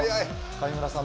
上村さん